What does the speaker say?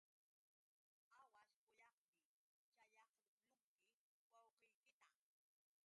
Aawaśh pallaqmi kaćhaqlunki wawqiykita.